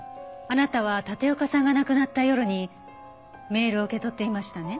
あなたは立岡さんが亡くなった夜にメールを受け取っていましたね？